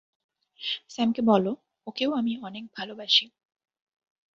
স্যামকে বলো, ওকেও আমি অনেক ভালোবাসি!